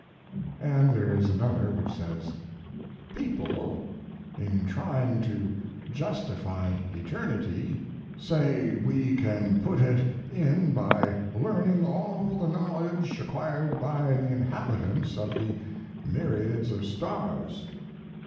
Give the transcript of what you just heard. And there is another which says: People, in trying to justify eternity, say we can put it in by learning all the knowledge acquired by the inhabitants of the myriads of stars.